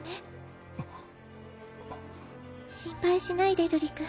心配しないで瑠璃君。